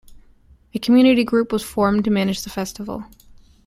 A community group was formed to manage the festival.